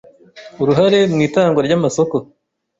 uruhare mu itangwa ry amasoko